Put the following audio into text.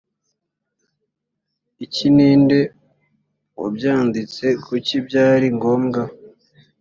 iki ni nde wabyanditse kuki byari ngombwa